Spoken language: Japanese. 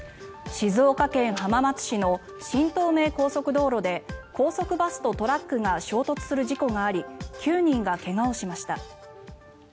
静岡県浜松市の新東名高速道路で高速バスとトラックが衝突する事故があり９人が怪我をしました。